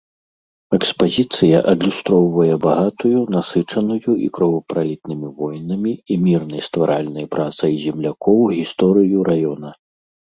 Экспазіцыя адлюстроўвае багатую, насычаную і кровапралітнымі войнамі, і мірнай стваральнай працай землякоў гісторыю раёна.